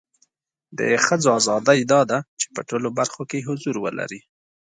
د خځو اذادی دا ده چې په ټولو برخو کې حضور ولري